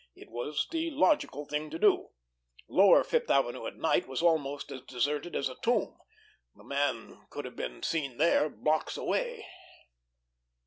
It was the logical thing to do. Lower Fifth Avenue at night was almost as deserted as a tomb; the man could have been seen there blocks away.